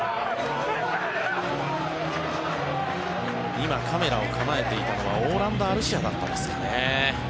今、カメラを構えていたのはオーランド・アルシアだったですかね。